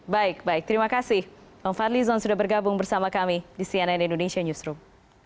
baik baik terima kasih bang fadli zon sudah bergabung bersama kami di cnn indonesia newsroom